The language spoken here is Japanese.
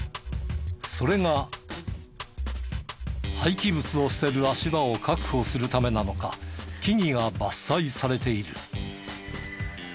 それが廃棄物を捨てる足場を確保するためなのか木々が伐採されている。